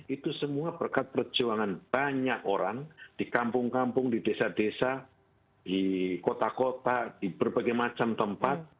itu semua berkat perjuangan banyak orang di kampung kampung di desa desa di kota kota di berbagai macam tempat